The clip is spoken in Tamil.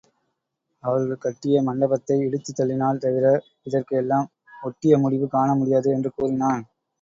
அவர்கள் கட்டிய மண்டபத்தை இடித்துத்தள்ளினால் தவிர இதற்கு எல்லாம் ஒட்டிய முடிவு காண முடியாது என்று கூறினான்.